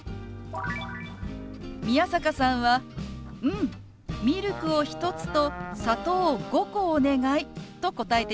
宮坂さんは「うん！ミルクを１つと砂糖を５個お願い」と答えていました。